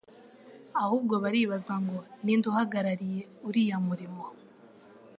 Ahubwo baribaza ngo: Ninde uhagarariye uriya murimo?